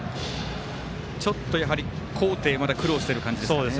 ちょっと高低苦労している感じですかね。